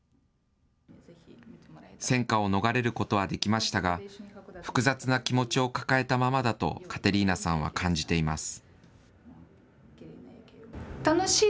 戦禍を逃れることはできましたが、複雑な気持ちを抱えたままだとカテリーナさんは感じています。